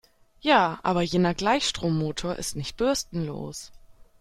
Ja, aber jener Gleichstrommotor ist nicht bürstenlos.